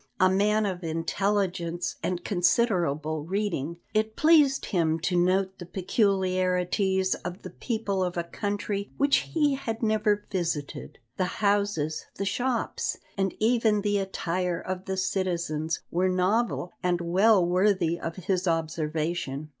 A man of intelligence and considerable reading, it pleased him to note the peculiarities of the people of a country which he had never visited. The houses, the shops, and even the attire of the citizens, were novel and well worthy of his observation.